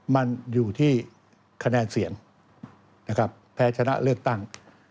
มันอยู่ที่คะแนนเสียงนะครับแพ้ชนะเลือกตั้ง